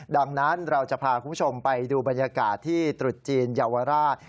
ดังนั้นเราจะพาคุณผู้ชมไปดูบรรยากาศที่ตรุษจีนเยาวราช